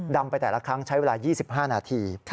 ไปแต่ละครั้งใช้เวลา๒๕นาที